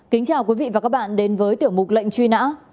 kính chào quý vị và các bạn đến với tiểu mục lệnh truy nã